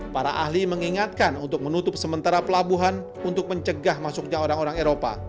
para ahli mengingatkan untuk menutup sementara pelabuhan untuk mencegah masuknya orang orang eropa